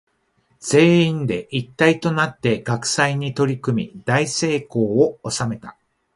全員で一体となって学祭に取り組み大成功を収めた。